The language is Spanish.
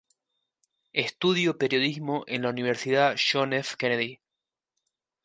Estudió Periodismo en la Universidad John F. Kennedy.